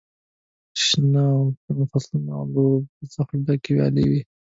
شنه او ګڼ فصلونه او له اوبو څخه ډکې ویالې وې.